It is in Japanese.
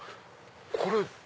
これ。